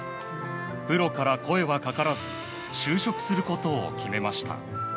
プロから声はかからず就職することを決めました。